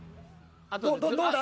どどうだ？